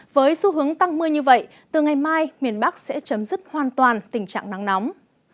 với xu hướng tăng mưa như vậy từ ngày mai miền bắc sẽ chấm dứt hoàn toàn tình trạng nắng nóng